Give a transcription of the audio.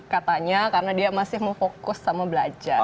katanya karena dia masih mau fokus sama belajar